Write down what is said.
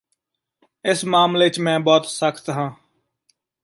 ਇਸ ਮਾਮਲੇ ਚ ਮੈਂ ਬਹੁਤ ਸਖ਼ਤ ਹਾਂ